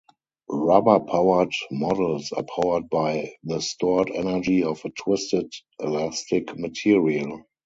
Rubber-powered models are powered by the stored energy of a twisted elastic material.